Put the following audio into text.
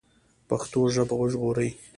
پښتو ژبه وژغورئ